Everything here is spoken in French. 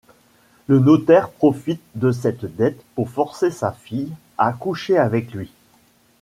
Le notaire profite de cette dette pour forcer sa fille à coucher avec lui.